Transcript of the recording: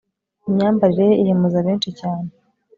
imyambarire ye ihemuza benshi cyane